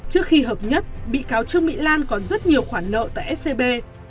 trước khi hợp nhất bị cáo trương mỹ lan còn rất nhiều khoản nợ tại scb